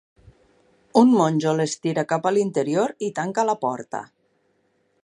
Un monjo l'estira cap a l'interior i tanca la porta.